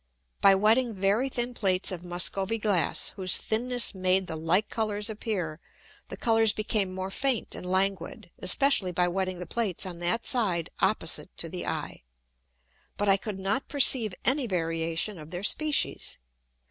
By wetting very thin Plates of Muscovy Glass, whose thinness made the like Colours appear, the Colours became more faint and languid, especially by wetting the Plates on that side opposite to the Eye: But I could not perceive any variation of their Species.